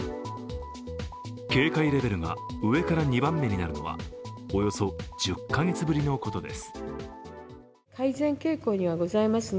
警戒レベルが上から２番目になるのはおよそ１０か月ぶりのことです。